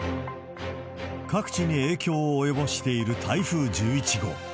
各地に影響を及ぼしている台風１１号。